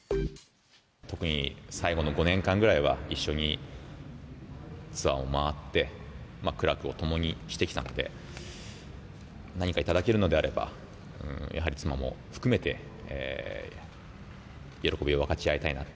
特に最後の５年間ぐらいは、一緒にツアーを回って、苦楽を共にしてきたので、何か頂けるのであれば、やはり妻も含めて、喜びを分かち合いたいなと。